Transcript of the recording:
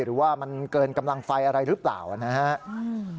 หรือว่ามันเกินกำลังไฟอะไรหรือเปล่านะครับ